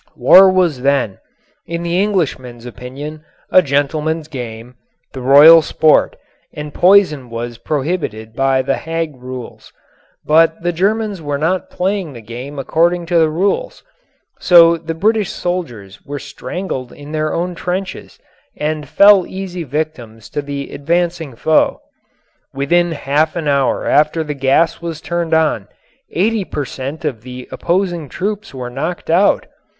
War was then, in the Englishman's opinion, a gentleman's game, the royal sport, and poison was prohibited by the Hague rules. But the Germans were not playing the game according to the rules, so the British soldiers were strangled in their own trenches and fell easy victims to the advancing foe. Within half an hour after the gas was turned on 80 per cent. of the opposing troops were knocked out.